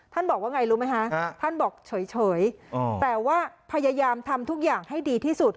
บอกว่าไงรู้ไหมคะท่านบอกเฉยแต่ว่าพยายามทำทุกอย่างให้ดีที่สุด